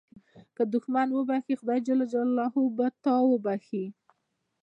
که دوښمن وبخښې، خدای جل جلاله به تا وبخښي.